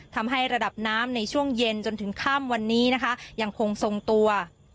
ทำให้ระดับน้ำในช่วงเย็นจนถึงค่ำวันนี้นะคะยังคงทรงตัว